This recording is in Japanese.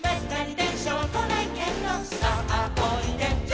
「さあおいで」